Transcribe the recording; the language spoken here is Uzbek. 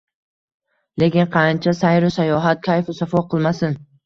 Lekin qancha sayru sayohat, kayfu safo qilmasin